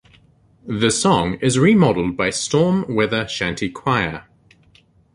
The song is remodeled by Storm Weather Shanty Choir.